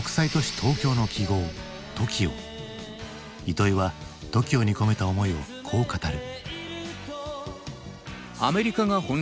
糸井は「ＴＯＫＩＯ」に込めた思いをこう語る。